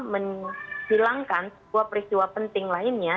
menghilangkan sebuah peristiwa penting lainnya